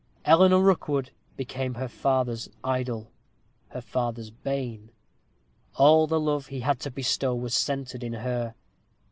Eleanor Rookwood became her father's idol her father's bane. All the love he had to bestow was centred in her.